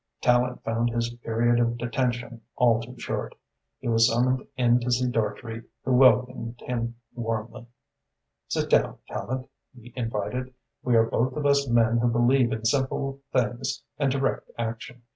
Tallente found his period of detention all too short. He was summoned in to see Dartrey, who welcomed him warmly. "Sit down, Tallente," he invited. "We are both of us men who believe in simple things and direct action.